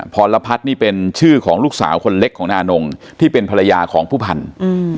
พรพัฒน์นี่เป็นชื่อของลูกสาวคนเล็กของนานงที่เป็นภรรยาของผู้พันธุ์อืม